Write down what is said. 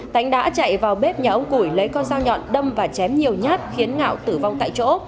tánh đã chạy vào bếp nhà ông củi lấy con dao nhọn đâm và chém nhiều nhát khiến ngạo tử vong tại chỗ